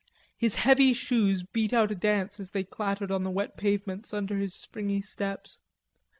His heavy shoes beat out a dance as they clattered on the wet pavements under his springy steps.